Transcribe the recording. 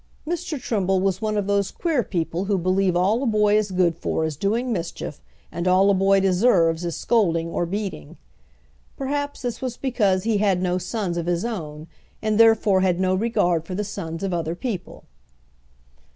Mr. Trimble was one of those queer people who believe all a boy is good for is doing mischief and all a boy deserves is scolding or beating. Perhaps this was because he had no sons of his own and therefore had no regard for the sons of other people.